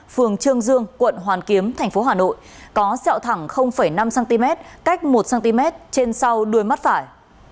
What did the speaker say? phường trương dương quận hoàn kiếm tp hà nội có xeo thẳng năm cm cách một cm trên sau đuôi mắt phải